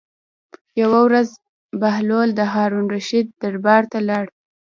یوه ورځ بهلول د هارون الرشید دربار ته لاړ.